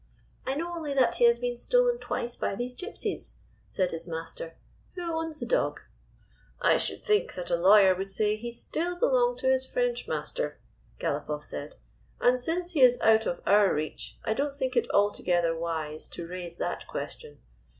" I know only that he has been stolen twice by these Gypsies," said his master. " Who owns the dog?" " I should think that a lawyer would say he still belonged to his French master," Galopoff said. "And, since he is out of our reach, I don't think it altogether wise to raise that question.